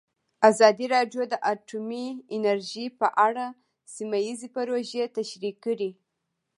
ازادي راډیو د اټومي انرژي په اړه سیمه ییزې پروژې تشریح کړې.